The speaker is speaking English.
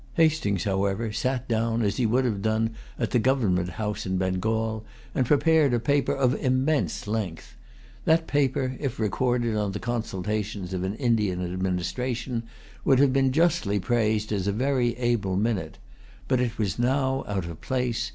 Hastings, however, sat down as he would have done at the Government House in Bengal, and prepared a paper of immense length. That paper, if recorded on the consultations of an Indian administration, would have been justly praised as a very able minute. But it was[Pg 215] now out of place.